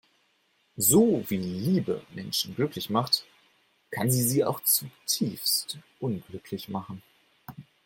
So wie Liebe Menschen glücklich macht, kann sie sie auch zutiefst unglücklich machen.